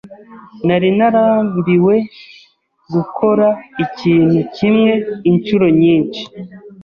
Nari narambiwe gukora ikintu kimwe inshuro nyinshi.